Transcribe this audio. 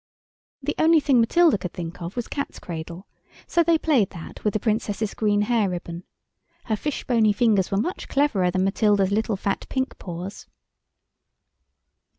The only thing Matilda could think of was Cat's cradle, so they played that with the Princess's green hair ribbon. Her fish bony fingers were much cleverer than Matilda's little fat, pink paws.